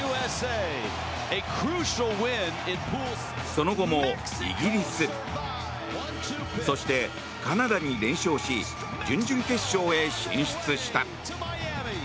その後もイギリスそしてカナダに連勝し準々決勝へ進出した。